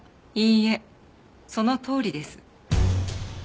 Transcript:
いいえそのとおりです。